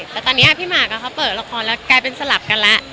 แต่ตอนนี้พี่หมากเขาเปิดละครแล้วกลายเป็นสลับกันแล้ว